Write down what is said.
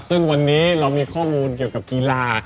ซึ่งวันนี้เรามีข้อมูลเกี่ยวกับกีฬา